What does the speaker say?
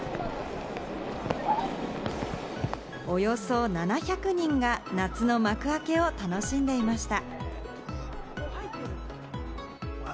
およそ７００人が夏の幕開けを楽しんでいました。